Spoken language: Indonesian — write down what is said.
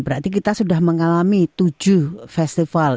berarti kita sudah mengalami tujuh festival